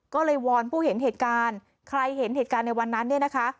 ก็เลยวอนผู้เห็นเหตุการณ์ใครเห็นเหตุการณ์ในวันนั้นเนี่ยนะคะ